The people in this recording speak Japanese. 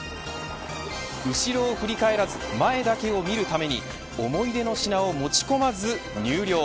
後ろを振り返らず前だけ見るために思い出の品を持ち込まず入寮。